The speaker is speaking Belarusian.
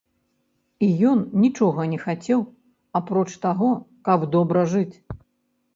І ён нічога не хацеў, апроч таго, каб добра жыць.